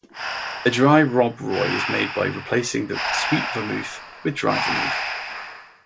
A "dry" Rob Roy is made by replacing the sweet vermouth with dry vermouth.